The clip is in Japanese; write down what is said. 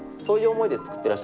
そういう思いで作っ